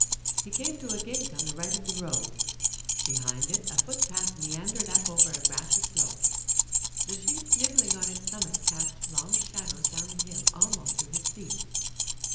He came to a gate on the right of the road. Behind it a footpath meandered up over a grassy slope. The sheep nibbling on its summit cast long shadows down the hill almost to his feet.